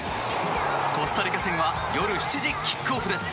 コスタリカ戦は夜７時キックオフです！